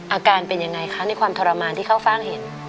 อาการเป็นยังไงคะในความทรมานที่เข้าฟ่างเห็น